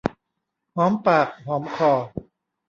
หอมปากหอมคอ